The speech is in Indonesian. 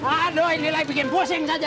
aduh ini lagi bikin pusing saja